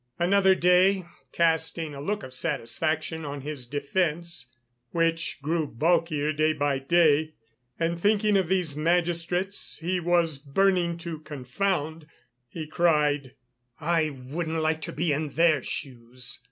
Another day, casting a look of satisfaction on his defence, which grew bulkier day by day, and thinking of these magistrates he was burning to confound, he cried: "I wouldn't like to be in their shoes!"